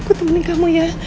aku temenin kamu ya